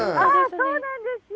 そうなんですよ。